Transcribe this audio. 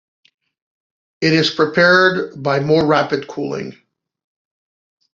It is prepared by more rapid cooling.